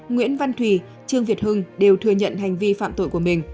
nguyễn văn thùy trương việt hưng đều thừa nhận hành vi phạm tội của mình